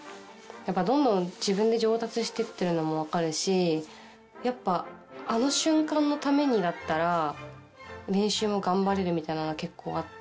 やっぱどんどん自分で上達してってるのも分かるしやっぱあの瞬間のためにだったら練習も頑張れるみたいなのが結構あって。